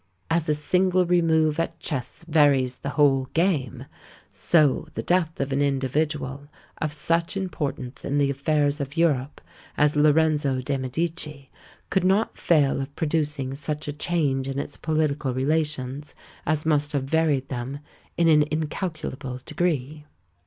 As a single remove at chess varies the whole game, so the death of an individual of such importance in the affairs of Europe as Lorenzo de' Medici could not fail of producing such a change in its political relations as must have varied them in an incalculable degree."